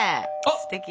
すてき。